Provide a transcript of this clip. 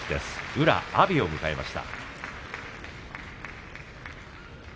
宇良と阿炎を迎えました。